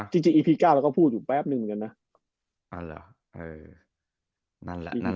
จริงจริงอีพีก้าเราก็พูดอยู่แป๊บนึงเหมือนกันนะ